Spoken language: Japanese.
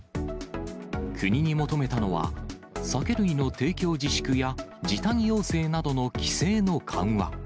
国に求めたのは、酒類の提供自粛や、時短要請などの規制の緩和。